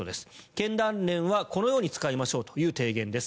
経団連はこのように使いましょうという提言です。